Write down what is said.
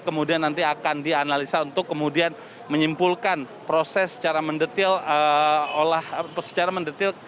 kemudian nanti akan dianalisa untuk kemudian menyimpulkan proses secara mendetil